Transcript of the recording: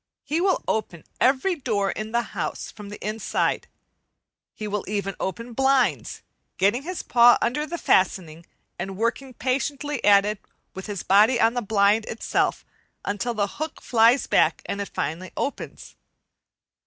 He will open every door in the house from the inside; he will even open blinds, getting his paw under the fastening and working patiently at it, with his body on the blind itself, until the hook flies back and it finally opens.